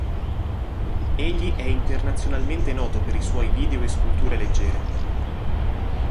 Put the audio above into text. Egli è internazionalmente noto per i suoi video e sculture leggere.